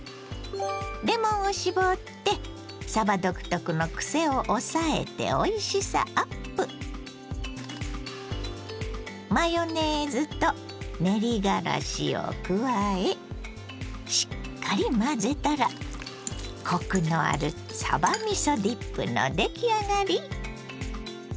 レモンを搾ってさば独特のクセを抑えておいしさアップ！を加えしっかり混ぜたらコクのあるさばみそディップの出来上がり。